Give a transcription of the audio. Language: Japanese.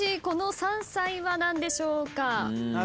この山菜は何でしょうか？